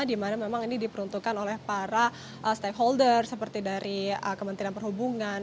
di mana memang ini diperuntukkan oleh para stakeholder seperti dari kementerian perhubungan